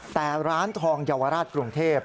แต่ร้านทองเยาวราชกรุงเทพ